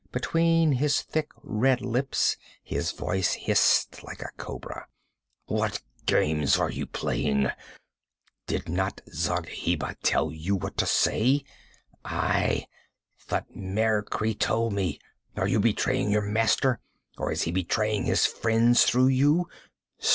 Between his thick red lips his voice hissed like a cobra. 'What game are you playing? Did not Zargheba tell you what to say? Aye, Thutmekri told me! Are you betraying your master, or is he betraying his friends through you?